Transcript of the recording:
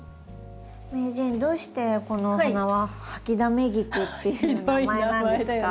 名人どうしてこのお花はハキダメギクっていう名前なんですか？